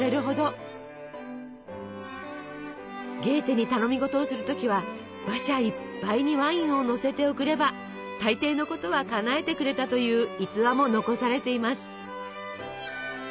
ゲーテに頼み事をする時は馬車いっぱいにワインをのせて贈れば大抵のことはかなえてくれたという逸話も残されています。